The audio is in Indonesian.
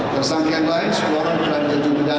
tersangka yang lain seorang pelajar di bidana